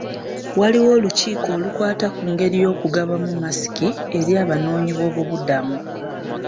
Waaliwo olukiiko olukwata ku ngeri y'okugabamu masiki eri Abanoonyiboobubudamu.